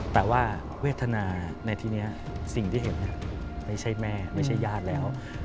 แต่ว่าเวทนาในทีนี้สิ่งที่เห็นไม่ใช่แม่ไม่ใช่ญาติแล้ว